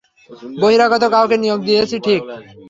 বহিরাগত কাউকে নিয়োগ দিয়েছি, ঠিক?